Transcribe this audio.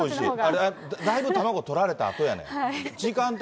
あれ、だいぶ卵とられたあとやねん。